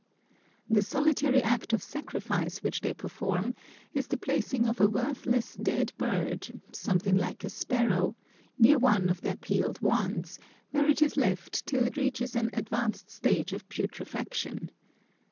The solitary act of sacrifice which they perform is the placing of a worthless, dead bird, something like a sparrow, near one of their peeled wands, where it is left till it reaches an advanced stage of putrefaction.